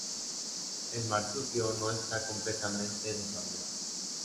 El marsupio no está completamente desarrollado.